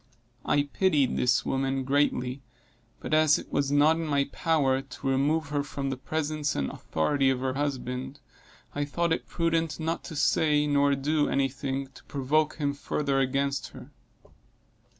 I pitied this woman greatly, but as it was not in my power to remove her from the presence and authority of her husband, I thought it prudent not to say nor do any thing to provoke him further against her.